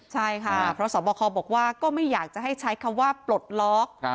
ใช่ค่ะเพราะสอบคอบอกว่าก็ไม่อยากจะให้ใช้คำว่าปลดล็อก